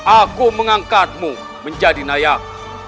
aku mengangkatmu menjadi nayak